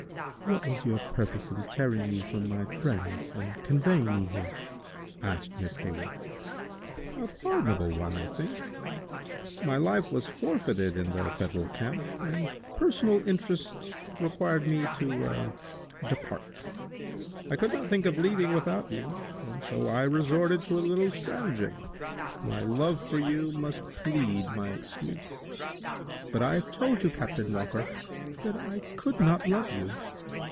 "What was your purpose in tearing me from my friends, and conveying me here?" asked Miss Hayward. "A pardonable one, I think. My life was forfeited in the Federal camp, and personal interest required me to depart. I could not think of leaving without you, and so I resorted to a little stratagem. My love for you must plead my excuse." "But I have told you, Captain Walker, that I could not love you.